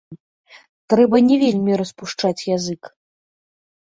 Трэба не вельмі распушчаць язык.